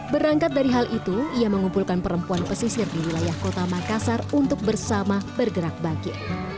berangkat dari hal itu ia mengumpulkan perempuan pesisir di wilayah kota makassar untuk bersama bergerak bangkit